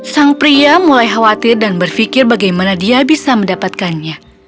sang pria mulai khawatir dan berpikir bagaimana dia bisa mendapatkannya